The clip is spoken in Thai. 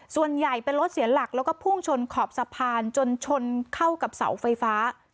ส่วนใหญ่เป็นรถเสียหลักแล้วก็พุ่งชนขอบสะพานจนชนเข้ากับเสาไฟฟ้า